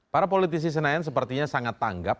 para politisi senayan sepertinya sangat tanggap